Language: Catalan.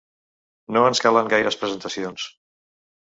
No ens calen gaires presentacions.